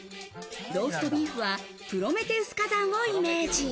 ローストビーフはプロメテウス火山をイメージ。